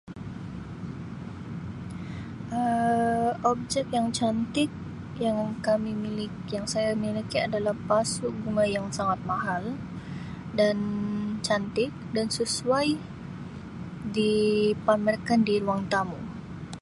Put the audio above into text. Um Objek yang yang cantik yang kami milik, yang saya miliki adalah pasu bunga yang sangat mahal dan cantik dan sesuai dipamerkan di ruang tamu.